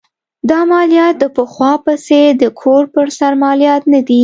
دا مالیات د پخوا په څېر د کور پر سر مالیات نه دي.